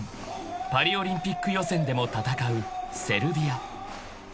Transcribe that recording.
パリオリンピック予選でも戦うセルビア］